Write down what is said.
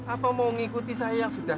apa mau ngikuti saya yang sudah